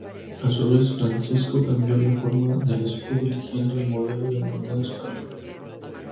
A su vez, Francisco cambió la forma del escudo, eligiendo el modelo denominado "español".